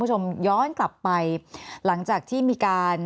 แอนตาซินเยลโรคกระเพาะอาหารท้องอืดจุกเสียดแสบร้อน